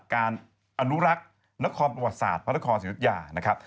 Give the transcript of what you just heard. การอนุรักษ์นครประวัติศาสตร์พระนครศิริยานะครับ